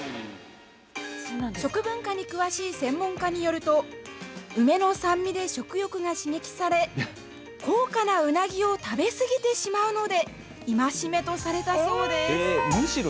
食文化に詳しい専門家によると梅の酸味で食欲が刺激され高価なうなぎを食べ過ぎてしまうので戒めとされたそうです。